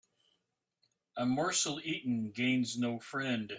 A morsel eaten gains no friend